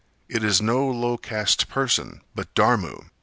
"It is no low caste person, but Dharmu."